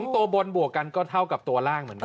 ตัวบนบวกกันก็เท่ากับตัวล่างเหมือนกัน